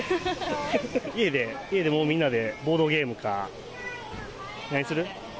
家でもうみんなで、ボードゲームか、何する？